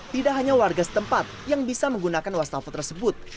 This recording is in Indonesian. tidak hanya warga setempat yang bisa menggunakan wastafel tersebut